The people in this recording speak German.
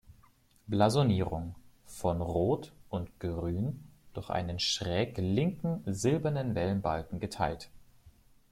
Blasonierung: „Von Rot und Grün durch einen schräglinken silbernen Wellenbalken geteilt.